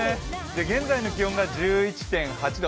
現在の気温が１１．８度。